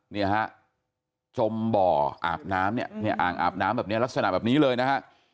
เนี่ยฮะจมบ่ออาบน้ำเนี่ยอ่างอาบน้ำแบบนี้ลักษณะแบบนี้เลยนะฮะ